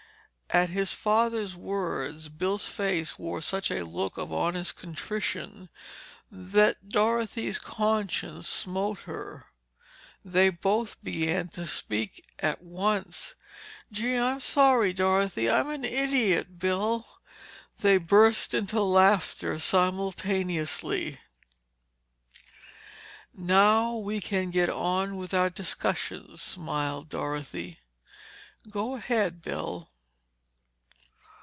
At his father's words, Bill's face wore such a look of honest contrition, that Dorothy's conscience smote her. They both began to speak at once. "Gee, I'm sorry, Dorothy—" "I'm an idiot, Bill—" They burst into laughter simultaneously. "Now we can get on with our discussion," smiled Dorothy. "Go ahead, Bill."